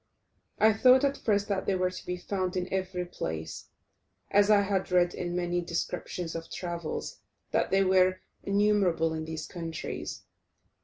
I thought at first that they were to be found in every place, as I had read in many descriptions of travels that they were innumerable in these countries.